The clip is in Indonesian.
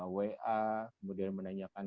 wa kemudian menanyakan